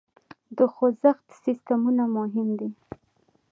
د خوزښت سیسټمونه مهم دي.